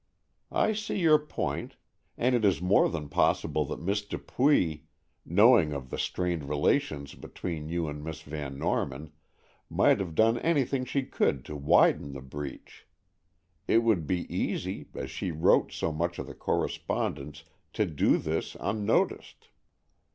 "I see your point; and it is more than possible that Miss Dupuy, knowing of the strained relations between you and Miss Van Norman, might have done anything she could to widen the breach. It would be easy, as she wrote so much of the correspondence, to do this unnoticed."